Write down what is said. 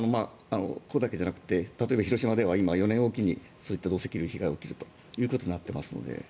ここだけじゃなくて例えば広島では４年おきにそういった土石流の被害を受けているということになっていますので。